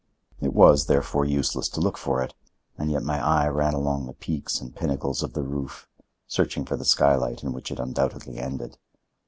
It was, therefore, useless to look for it, and yet my eye ran along the peaks and pinnacles of the roof, searching for the skylight in which it undoubtedly ended.